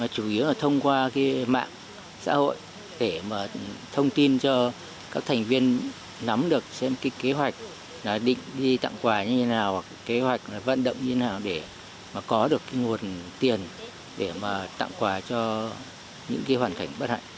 chủ yếu là thông qua mạng xã hội để thông tin cho các thành viên nắm được xem kế hoạch định đi tặng quà như thế nào kế hoạch vận động như thế nào để có được nguồn tiền để tặng quà cho những hoàn cảnh bất hạnh